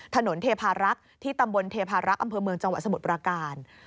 เทพารักษ์ที่ตำบลเทพารักษ์อำเภอเมืองจังหวัดสมุทรปราการ